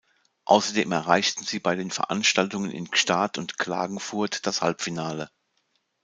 Außerdem erreichten sie bei den Veranstaltungen in Gstaad und Klagenfurt das Halbfinale.